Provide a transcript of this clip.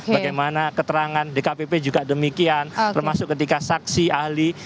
bagaimana keterangan dkpp juga demikian termasuk ketika saksi ahli